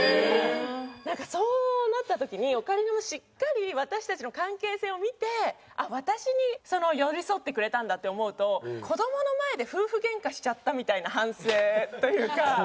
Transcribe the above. なんかそうなった時にオカリナはしっかり私たちの関係性を見て私に寄り添ってくれたんだって思うと子供の前で夫婦ゲンカしちゃったみたいな反省というか。